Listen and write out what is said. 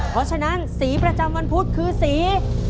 เพราะฉะนั้นสีประจำวันพุธคือสี